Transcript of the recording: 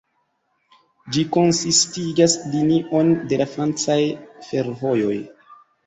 Ĝi konsistigas linion de la francaj fervojoj.